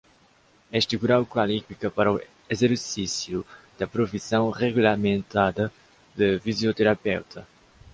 Este grau qualifica para o exercício da profissão regulamentada de fisioterapeuta.